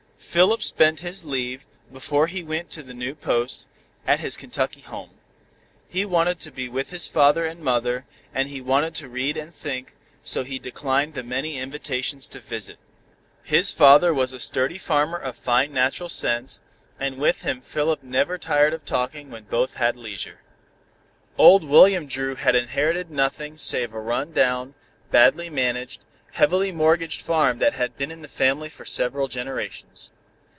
Philip spent his leave, before he went to the new Post, at his Kentucky home. He wanted to be with his father and mother, and he wanted to read and think, so he declined the many invitations to visit. His father was a sturdy farmer of fine natural sense, and with him Philip never tired of talking when both had leisure. Old William Dru had inherited nothing save a rundown, badly managed, heavily mortgaged farm that had been in the family for several generations.